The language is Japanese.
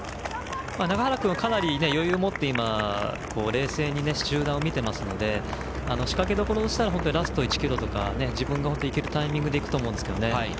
永原君かなり余裕を持って冷静に集団を見ているので仕掛けどころとしたらラスト１ｋｍとか自分がいけるタイミングで行くと思うんですけどね。